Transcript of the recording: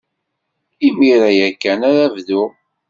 Imir-a ya kan ara bduɣ.